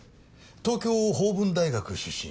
東京法文大学出身。